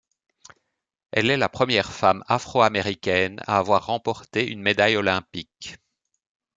Elle est la première femme afro-américaine à avoir remporté une médaille olympique.